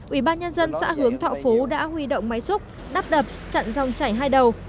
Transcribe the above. ủy ban nhân dân xã hướng thọ phú đã huy động máy xúc đắp đập chặn dòng chảy hai đầu